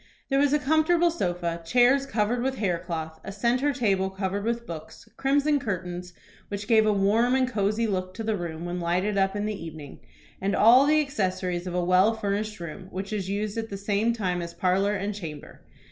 There was a comfortable sofa, chairs covered with hair cloth, a centre table covered with books, crimson curtains, which gave a warm and cosey look to the room when lighted up in the evening, and all the accessories of a well furnished room which is used at the same time as parlor and chamber.